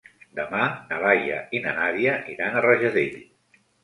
Demà na Laia i na Nàdia iran a Rajadell.